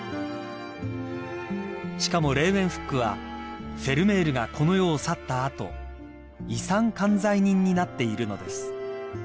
［しかもレーウェンフックはフェルメールがこの世を去った後遺産管財人になっているのです］